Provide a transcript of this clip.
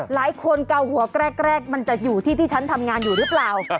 เกาหัวแกรกมันจะอยู่ที่ที่ฉันทำงานอยู่หรือเปล่า